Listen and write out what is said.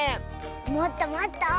もっともっと。